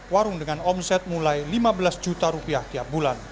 warung dengan omset mulai lima belas juta rupiah tiap bulan